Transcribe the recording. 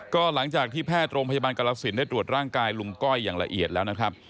ก็หลังจากที่แพทย์โรงพยาบาลกรสินได้ตรวจร่างกายลุงก้อยอย่างละเอียดแล้วนะครับ